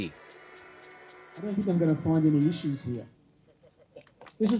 saya tidak pikir saya akan menemukan masalah di sini